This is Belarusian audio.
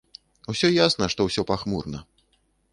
Усё ясна, што ўсё пахмурна.